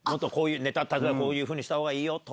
例えばこういうふうにしたほうがいいよとか。